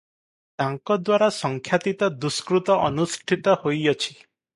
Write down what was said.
ତାଙ୍କଦ୍ୱାରା ସଂଖ୍ୟାତୀତ ଦୁଷ୍କୃତ ଅନୁଷ୍ଠିତ ହୋଇଅଛି ।